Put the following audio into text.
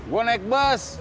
gue naik bus